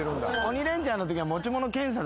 『鬼レンチャン』のときは。